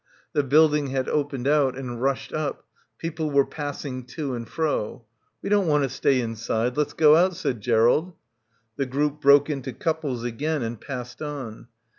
The building had opened out and rushed up, peo ple were passing to and fro. "We don't want to stay inside; let's go out," said Gerald. The group broke into couples again and passed on.